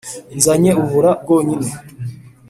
“nzanye ubura bwonyine